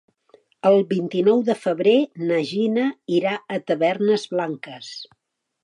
El vint-i-nou de febrer na Gina irà a Tavernes Blanques.